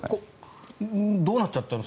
どうなっちゃってるの